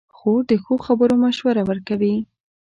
خور د ښو خبرو مشوره ورکوي.